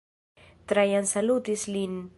Trajan salutis lin.